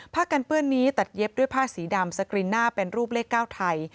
กันเปื้อนนี้ตัดเย็บด้วยผ้าสีดำสกรีนหน้าเป็นรูปเลข๙ไทย